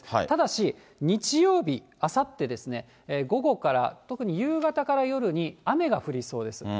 ただし、日曜日、あさってですね、午後から、特に夕方から夜に、雨が降りそうです。